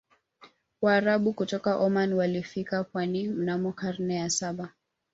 waarabu kutoka oman walifika pwani mnamo karne ya saba